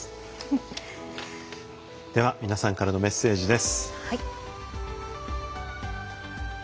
では皆さんからのメッセージです。